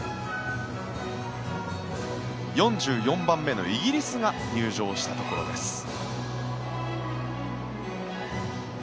４４番目のイギリスが入場したところです。